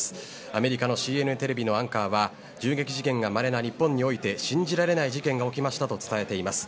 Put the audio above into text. アメリカのＣＮＮテレビのアンカーは銃撃事件がまれな日本において信じられない事件が起きましたと伝えています。